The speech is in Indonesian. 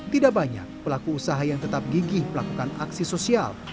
tidak banyak pelaku usaha yang tetap gigih melakukan aksi sosial